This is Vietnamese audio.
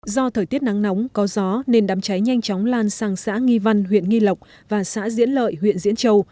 do thời tiết nắng nóng có gió nên đám cháy nhanh chóng lan sang xã nghi văn huyện nghi lộc và xã diễn lợi huyện diễn châu